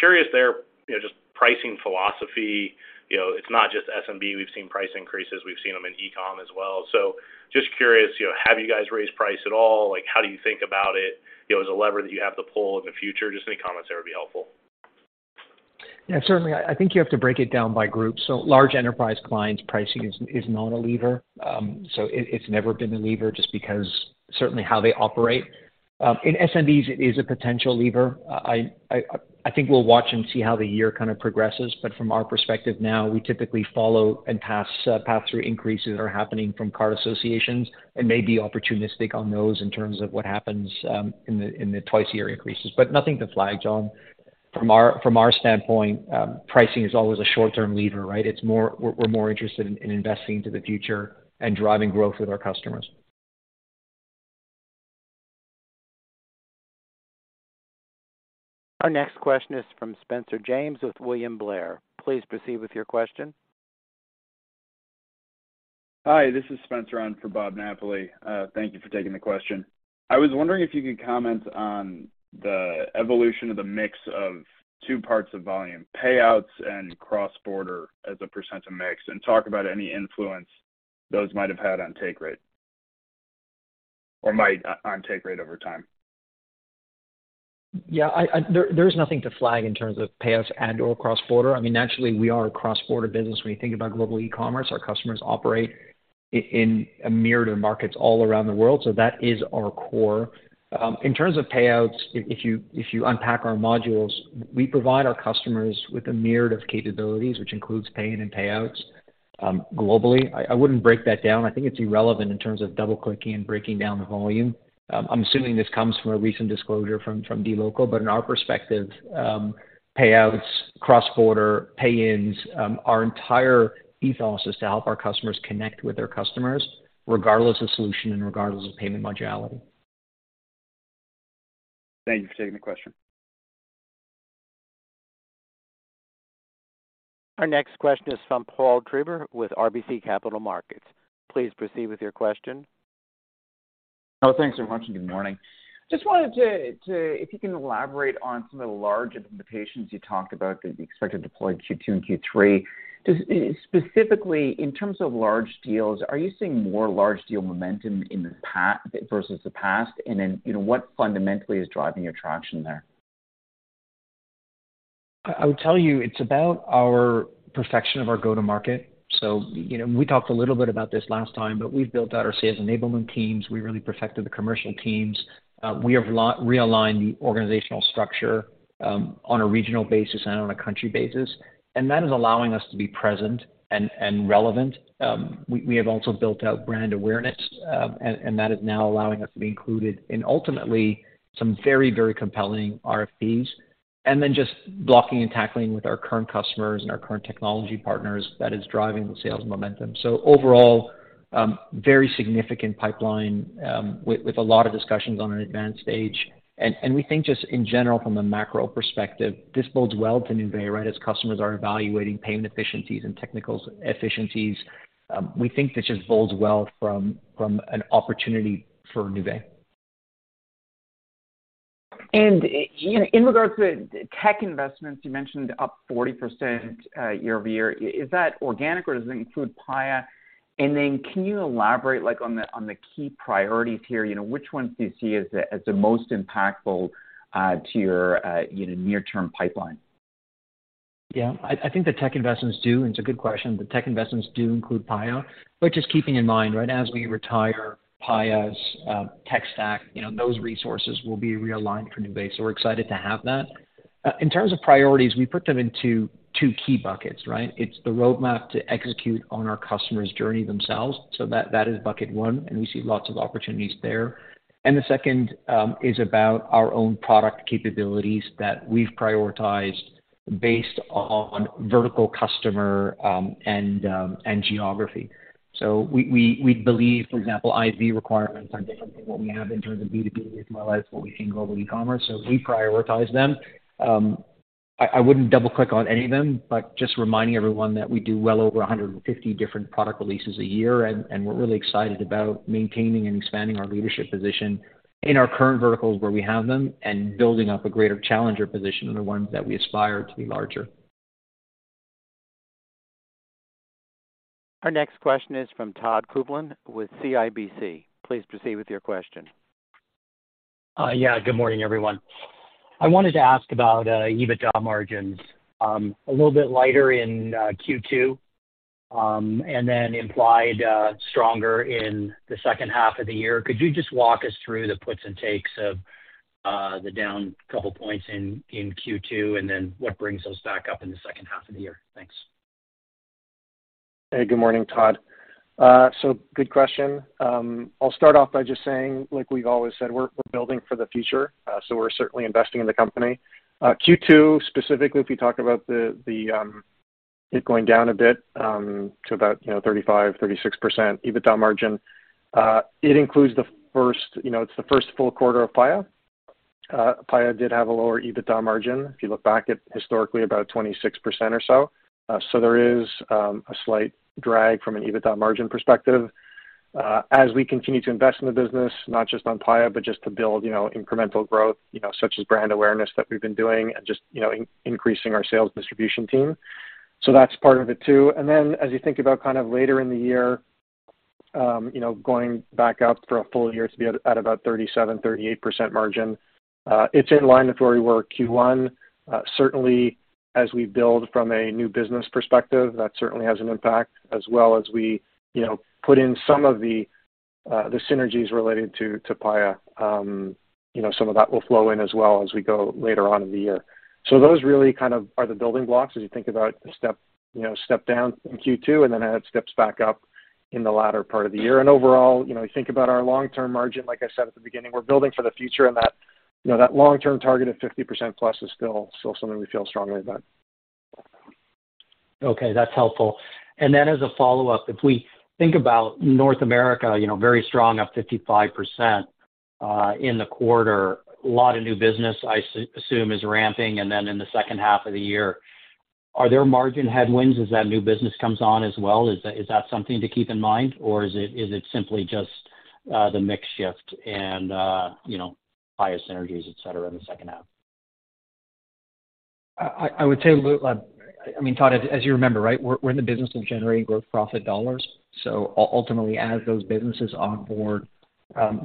Curious there, you know, just pricing philosophy. You know, it's not just SMB. We've seen price increases. We've seen them in e-com as well. Just curious, you know, have you guys raised price at all? Like how do you think about it, you know, as a lever that you have to pull in the future? Just any comments there would be helpful. Yeah, certainly. I think you have to break it down by group. Large enterprise clients pricing is not a lever. It's never been a lever just because certainly how they operate. In SMBs it is a potential lever. I think we'll watch and see how the year kind of progresses, but from our perspective now, we typically follow and pass through increases that are happening from card associations and may be opportunistic on those in terms of what happens, in the twice a year increases. Nothing to flag, John. From our standpoint, pricing is always a short-term lever, right? We're more interested in investing to the future and driving growth with our customers. Our next question is from Spencer James with William Blair. Please proceed with your question. Hi, this is Spencer on for Bob Napoli. Thank you for taking the question. I was wondering if you could comment on the evolution of the mix of two parts of volume, payouts and cross-border, as a % of mix, and talk about any influence those might have had on take rate or might on take rate over time. There's nothing to flag in terms of payouts and/or cross-border. I mean, naturally we are a cross-border business when you think about global e-commerce. Our customers operate in a myriad of markets all around the world, that is our core. In terms of payouts, if you unpack our modules, we provide our customers with a myriad of capabilities, which includes paying and payouts globally. I wouldn't break that down. I think it's irrelevant in terms of double-clicking and breaking down the volume. I'm assuming this comes from a recent disclosure from dLocal, in our perspective, payouts, cross-border, pay-ins, our entire ethos is to help our customers connect with their customers regardless of solution and regardless of payment modality. Thank you for taking the question. Our next question is from Paul Treiber with RBC Capital Markets. Please proceed with your question. Oh, thanks so much, and good morning. Just wanted to if you can elaborate on some of the larger implementations you talked about that you expect to deploy in Q2 and Q3. Just specifically in terms of large deals, are you seeing more large deal momentum versus the past? you know, what fundamentally is driving your traction there? I would tell you it's about our perfection of our go-to-market. You know, we talked a little bit about this last time, but we've built out our sales enablement teams. We really perfected the commercial teams. We have realigned the organizational structure on a regional basis and on a country basis, and that is allowing us to be present and relevant. We have also built out brand awareness, and that is now allowing us to be included in ultimately some very, very compelling RFPs. Just blocking and tackling with our current customers and our current technology partners that is driving the sales momentum. Overall, very significant pipeline with a lot of discussions on an advanced stage. We think just in general, from a macro perspective, this bodes well to Nuvei, right? As customers are evaluating payment efficiencies and technical efficiencies, we think this just bodes well from an opportunity for Nuvei. In regards to tech investments, you mentioned up 40% year-over-year. Is that organic or does it include Paya? Can you elaborate like on the, on the key priorities here, you know, which ones do you see as the, as the most impactful to your, you know, near-term pipeline? I think the tech investments do, and it's a good question. The tech investments do include Paya, but just keeping in mind, right, as we retire Paya's tech stack, you know, those resources will be realigned for Nuvei. We're excited to have that. In terms of priorities, we put them into two key buckets, right? It's the roadmap to execute on our customer's journey themselves. That is bucket one, and we see lots of opportunities there. The second is about our own product capabilities that we've prioritized based on vertical customer, and geography. We believe, for example, ISV requirements are different than what we have in terms of B2B as well as what we see in global e-commerce. We prioritize them. I wouldn't double-click on any of them, but just reminding everyone that we do well over 150 different product releases a year, and we're really excited about maintaining and expanding our leadership position in our current verticals where we have them and building up a greater challenger position in the ones that we aspire to be larger. Our next question is from Todd Coupland with CIBC. Please proceed with your question. Yeah, good morning, everyone. I wanted to ask about EBITDA margins, a little bit lighter in Q2, and then implied stronger in the second half of the year. Could you just walk us through the puts and takes of the down couple points in Q2 and then what brings those back up in the second half of the year? Thanks. Hey, good morning, Todd. Good question. I'll start off by just saying, like we've always said, we're building for the future. We're certainly investing in the company. Q2, specifically, if you talk about the, it going down a bit, to about, you know, 35%-36% EBITDA margin. It includes, you know, it's the first full quarter of Paya. Paya did have a lower EBITDA margin. If you look back at historically, about 26% or so. There is a slight drag from an EBITDA margin perspective, as we continue to invest in the business, not just on Paya, but just to build, you know, incremental growth, you know, such as brand awareness that we've been doing and just, you know, increasing our sales distribution team. That's part of it too. As you think about kind of later in the year, you know, going back up for a full year to be at about 37%-38% margin, it's in line with where we were Q1. Certainly as we build from a new business perspective, that certainly has an impact as well as we, you know, put in some of the synergies related to Paya. You know, some of that will flow in as well as we go later on in the year. Those really kind of are the building blocks as you think about the step, you know, step down in Q2 and then as it steps back up in the latter part of the year. Overall, you know, you think about our long-term margin, like I said at the beginning, we're building for the future, and that, you know, that long-term target of 50% plus is still something we feel strongly about. Okay, that's helpful. As a follow-up, if we think about North America, you know, very strong, up 55% in the quarter. A lot of new business I assume is ramping and then in the second half of the year. Are there margin headwinds as that new business comes on as well? Is that something to keep in mind? Or is it simply just the mix shift and, you know, higher synergies, et cetera, in the second half? I would say, look, I mean, Todd, as you remember, right? We're in the business of generating growth profit dollars. Ultimately, as those businesses onboard,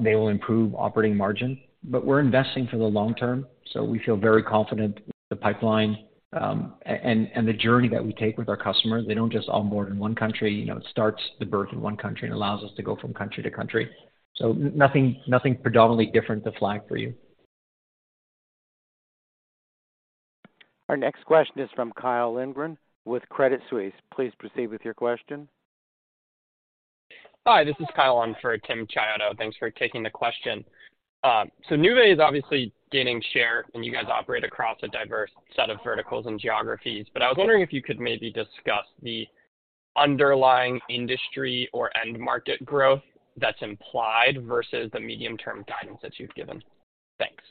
they will improve operating margin. We're investing for the long term, so we feel very confident with the pipeline. And the journey that we take with our customers, they don't just onboard in one country. You know, it starts the birth in one country and allows us to go from country to country. Nothing predominantly different to flag for you. Our next question is from Kyle Lindgren with Credit Suisse. Please proceed with your question. Hi, this is Kyle on for Timothy Chioddoto. Thanks for taking the question. Nuvei is obviously gaining share, and you guys operate across a diverse set of verticals and geographies. I was wondering if you could maybe discuss the underlying industry or end market growth that's implied versus the medium-term guidance that you've given. Thanks.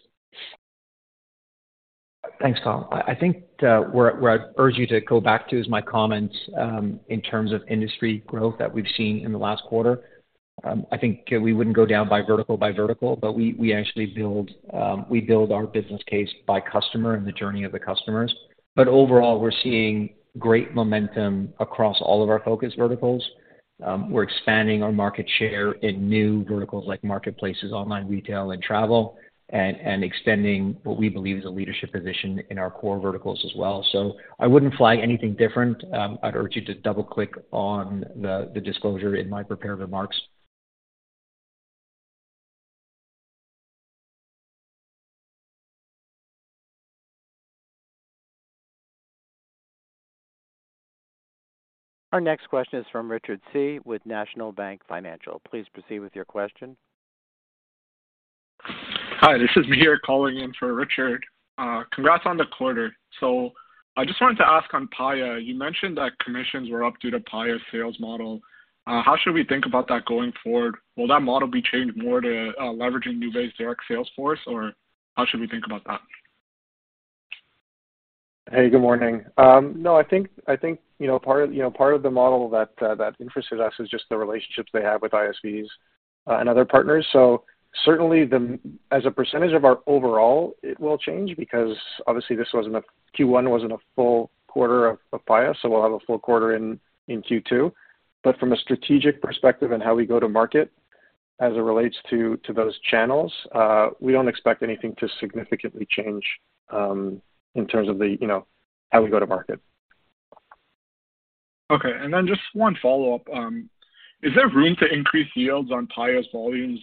Thanks, Kyle. I think where I'd urge you to go back to is my comments in terms of industry growth that we've seen in the last quarter. I think we wouldn't go down by vertical, but we actually build our business case by customer and the journey of the customers. Overall, we're seeing great momentum across all of our focus verticals. We're expanding our market share in new verticals like marketplaces, online retail, and travel. Extending what we believe is a leadership position in our core verticals as well. I wouldn't flag anything different. I'd urge you to double-click on the disclosure in my prepared remarks. Our next question is from Richard C. with National Bank Financial. Please proceed with your question. Hi, this is Mihir calling in for Richard. Congrats on the quarter. I just wanted to ask on Paya. You mentioned that commissions were up due to Paya's sales model. How should we think about that going forward? Will that model be changed more to, leveraging Nuvei's direct sales force, or how should we think about that? Hey, good morning. No, I think, you know, part, you know, part of the model that interested us is just the relationships they have with ISVs and other partners. Certainly as a percentage of our overall, it will change because obviously Q1 wasn't a full quarter of Paya, so we'll have a full quarter in Q2. From a strategic perspective and how we go to market as it relates to those channels, we don't expect anything to significantly change in terms of the, you know, how we go to market. Okay, then just one follow-up. Is there room to increase yields on Paya's volumes,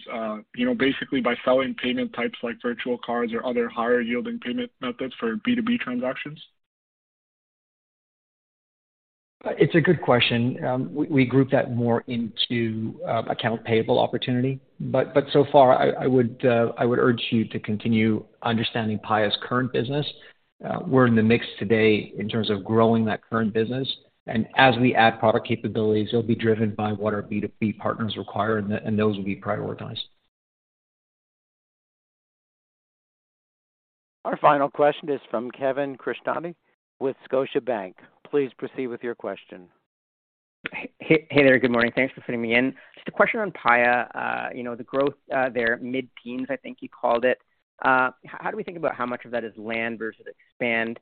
you know, basically by selling payment types like virtual cards or other higher-yielding payment methods for B2B transactions? It's a good question. We group that more into account payable opportunity. So far I would urge you to continue understanding Paya's current business. We're in the mix today in terms of growing that current business. As we add product capabilities, it'll be driven by what our B2B partners require, and those will be prioritized. Our final question is from Kevin Krishnaratn with Scotiabank. Please proceed with your question. Hey there. Good morning. Thanks for fitting me in. Just a question on Paya. You know, the growth there, mid-teens, I think you called it. How do we think about how much of that is land versus expand?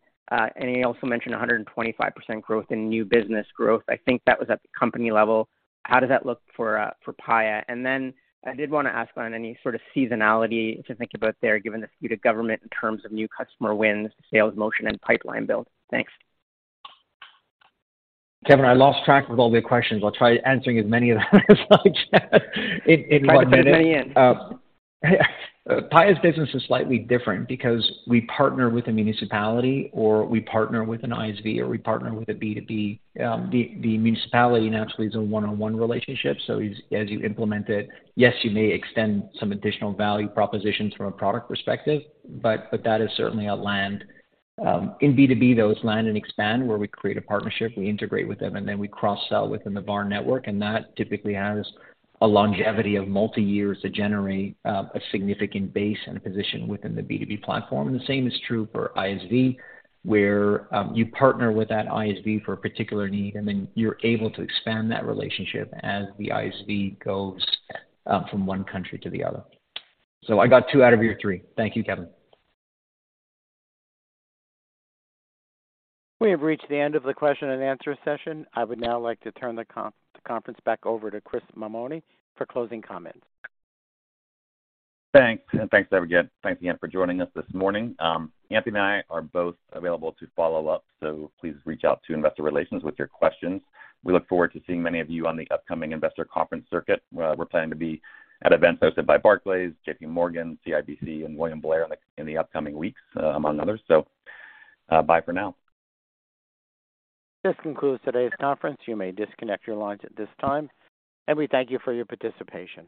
You also mentioned 125% growth in new business growth. I think that was at the company level. How does that look for Paya? I did wanna ask on any sort of seasonality to think about there, given the view to government in terms of new customer wins, sales motion, and pipeline build. Thanks. Kevin, I lost track with all the questions. I'll try answering as many of them as I can in about a minute. Paya's business is slightly different because we partner with the municipality, or we partner with an ISV, or we partner with a B2B. The municipality naturally is a one-on-one relationship, so as you implement it, yes, you may extend some additional value propositions from a product perspective, but that is certainly a land. In B2B, though, it's land and expand, where we create a partnership, we integrate with them, and then we cross-sell within the VAR network, and that typically has a longevity of multi-years to generate a significant base and a position within the B2B platform. The same is true for ISV, where you partner with that ISV for a particular need, and then you're able to expand that relationship as the ISV goes from 1 country to the other. I got 2 out of your 3. Thank you, Kevin. We have reached the end of the question and answer session. I would now like to turn the conference back over to Chris Mammone for closing comments. Thanks. Thanks, everyone. Thanks again for joining us this morning. Anthony and I are both available to follow up, so please reach out to investor relations with your questions. We look forward to seeing many of you on the upcoming investor conference circuit. We're planning to be at events hosted by Barclays, J.P. Morgan, CIBC, and William Blair in the upcoming weeks, among others. Bye for now. This concludes today's conference. You may disconnect your lines at this time, and we thank you for your participation.